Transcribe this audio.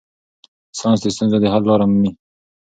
ساینس د ستونزو د حل لارې مومي.